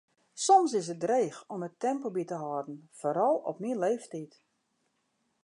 Soms is it dreech om it tempo by te hâlden, foaral op myn leeftiid.